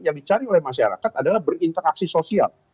yang dicari oleh masyarakat adalah berinteraksi sosial